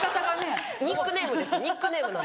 ニックネームですニックネームなんで。